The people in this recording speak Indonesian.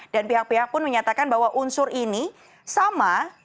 dan pihak pihak pun menyatakan bahwa unsur ini sama